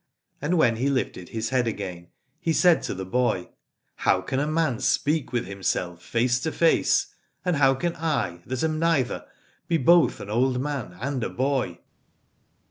And when he lifted his head again he said to the boy: How can a man speak with himself face to face : and how can I, that am neither, Nbe both an old man and a boy?